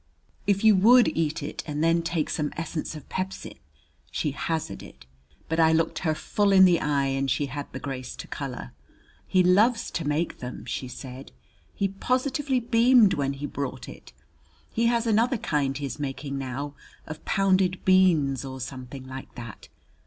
"If you would eat it and then take some essence of pepsin " she hazarded. But I looked her full it the eye and she had the grace to color. "He loves to make them," she said "he positively beamed when he brought it. He has another kind he is making now of pounded beans, or something like that.